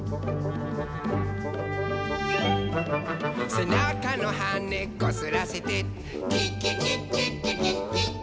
「せなかのはねこすらせて」「キッキキッキッキキッキッキ」